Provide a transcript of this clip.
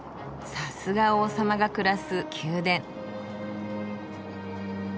さすが王様が暮らす宮殿。